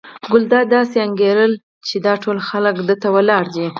ګلداد داسې انګېري چې دا ټول خلک ده ته ولاړ دي.